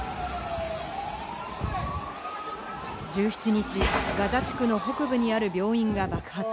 １７日、ガザ地区の北部にある病院が爆発。